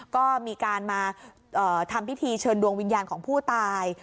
ก็มีการมาทำพิธีเชิญดวงวิญญาณของผู้ตาย